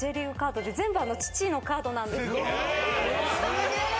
・すげえ！